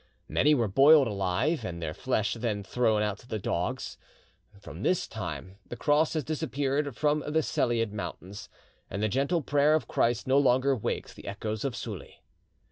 Many were boiled alive and their flesh then thrown to the dogs. From this time the Cross has disappeared from the Selleid mountains, and the gentle prayer of Christ no longer wakes the echoes of Suli.